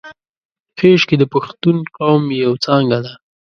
خیشکي د پښتون قوم یو څانګه ده